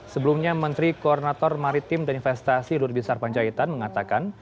sebelumnya menteri koordinator maritim dan investasi ludwisar panjaitan mengatakan